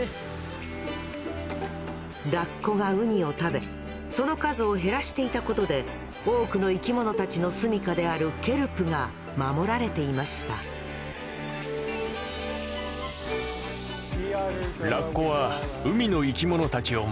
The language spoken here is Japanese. ラッコがウニを食べその数を減らしていたことで多くの生きものたちの住みかであるケルプが守られていましたと呼ばれています。